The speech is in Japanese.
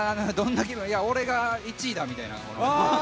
俺が１位だみたいな。